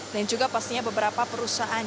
dan juga pastinya beberapa perusahaan